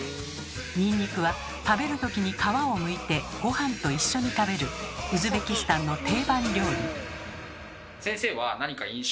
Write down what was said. ニンニクは食べるときに皮をむいてごはんと一緒に食べるウズベキスタンの定番料理。